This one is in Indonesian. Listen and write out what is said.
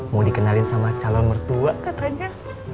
mau dikenalin sama calon mertua katanya